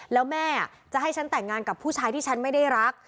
แล้วแม่จะให้ฉันแต่งงานกับผู้ชายที่ฉันไม่ได้รัก